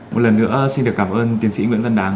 một lần nữa xin được cảm ơn tiến sĩ nguyễn văn đán